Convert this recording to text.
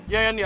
iya yan iya